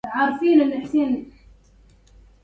فأوّل الكمال للاولادِ معرفةُ المولى العظيم الهادي